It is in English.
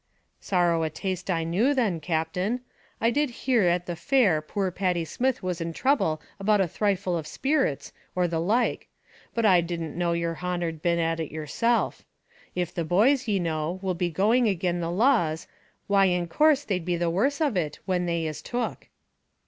"Sorrow a taste I knew then, Captain. I did hear at the fair poor Paddy Smith was in throuble about a thrifle of sperits, or the like. But I didn't know yer honer'd been at it yerself. If the boys, ye know, will be going agin the laws, why in course they'd be the worse of it, when they is took."